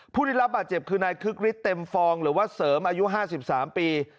ผู้ถูกยินรับบาดเจ็บคืนายคึกฤทธิ์เต็มฟองหรือว่าเสริมอายุห้าสิบสามปี